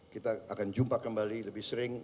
kita akan jumpa kembali lebih sering